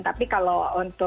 tapi kalau untuk fans klub kalau